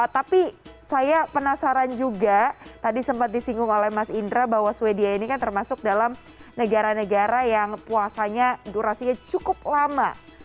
tapi saya penasaran juga tadi sempat disinggung oleh mas indra bahwa swedia ini kan termasuk dalam negara negara yang puasanya durasinya cukup lama